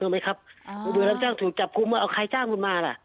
รู้ไหมครับอ๋อมือปืนรับจ้างถูกจับคุมว่าเอาใครจ้างมันมาล่ะ